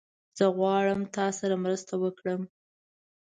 زه غواړم تاسره مرسته وکړم